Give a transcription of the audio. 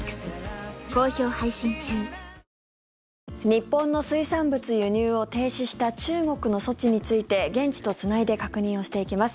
日本の水産物輸入を停止した中国の措置について現地とつないで確認をしていきます。